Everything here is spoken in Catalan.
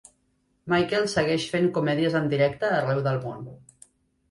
Michael segueix fent comèdies en directe arreu del món.